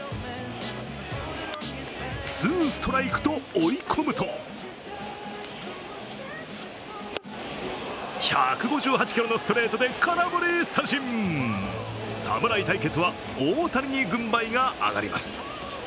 ツーストライクと追い込むと１５８キロのストレートで空振り三振侍対決は大谷に軍配が上がります。